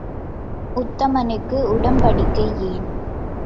உத்தமனுக்கு உடம்படிக்கை ஏன்?